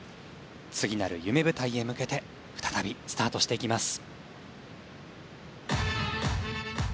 次なる夢舞台へ向けて再びスタートしていきます。